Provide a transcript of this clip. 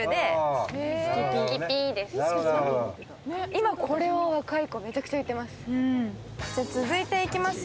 今、これを若い子、めちゃくちゃ言ってます。